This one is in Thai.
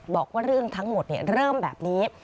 บอกว่าเรื่องทั้งหมดเริ่มแบบนี้